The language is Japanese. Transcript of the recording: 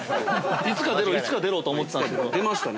◆いつか出ろ、いつか出ろとは思ってたんですけど、出ましたね。